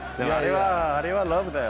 あれはラブだよ。